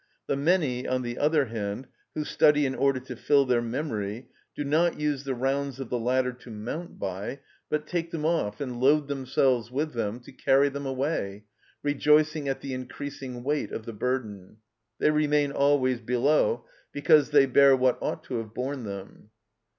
The many, on the other hand, who study in order to fill their memory do not use the rounds of the ladder to mount by, but take them off, and load themselves with them to carry them away, rejoicing at the increasing weight of the burden. They remain always below, because they bear what ought to have borne them.